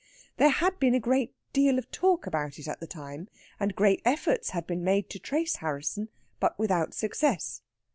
There had been a deal of talk about it at the time, and great efforts had been made to trace Harrisson, but without success.